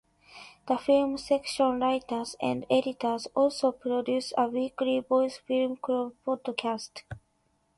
The film section writers and editors also produce a weekly Voice Film Club podcast.